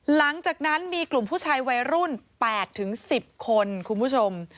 หลังจากนั้นมีกลุ่มผู้ชายวัยรุ่น๘๑๐คนคุณผู้ชม